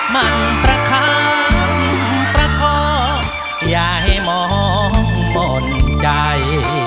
มันประคังประคองอย่าให้มองบ่นใจ